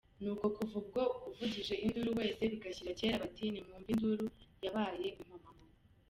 Nuko kuva ubwo, uvugije induru wese bigashyira kera, bati: «Nimwumve induru yabaye impomamunwa!».